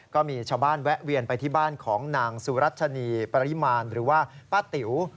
ก็มีชาวบ้านแวะเวียนไปที่บ้านของนางสุรัชนีปริมาณหรือว่าป้าติ๋ว